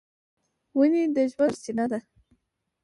ونې د ژوند سرچینه ده.